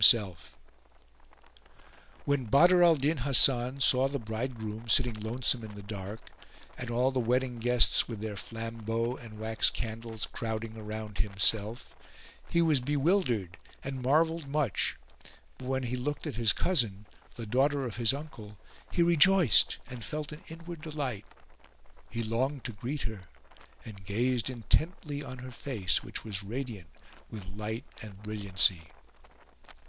[FN#412] When Badr al Din Hasan saw the bridegroom sitting lonesome in the dark, and all the wedding guests with their flambeaux and wax candles crowding around himself, he was bewildered and marvelled much; but when he looked at his cousin, the daughter of his uncle, he rejoiced and felt an inward delight: he longed to greet her and gazed intently on her face which was radiant with light and brilliancy.